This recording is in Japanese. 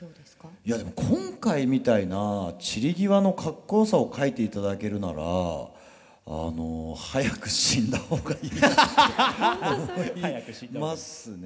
いやでも今回みたいな散り際のかっこよさを書いていただけるならあの早く死んだ方がいいなって思いますね。